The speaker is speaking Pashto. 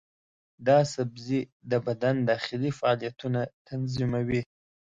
دا سبزی د بدن داخلي فعالیتونه تنظیموي.